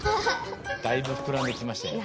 だいぶふくらんできましたよね。